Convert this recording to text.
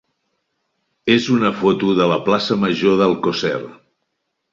és una foto de la plaça major d'Alcosser.